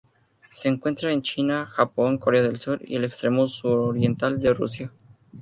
Se encuentra en China, Japón, Corea del Sur y el extremo suroriental de Rusia.